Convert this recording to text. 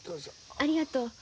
ありがとう。